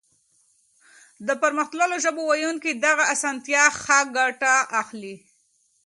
د پرمختللو ژبو ويونکي له دغې اسانتيا ښه ګټه اخلي.